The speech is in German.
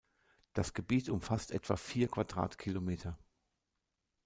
Das Gebiet umfasst etwa vier Quadratkilometer.